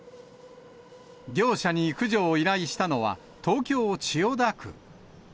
業者に駆除を依頼したのは、東京・千代田区。